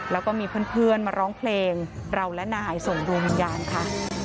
แล้วก็มีเพื่อนมาร้องเพลงเราและนายส่งดวงวิญญาณค่ะ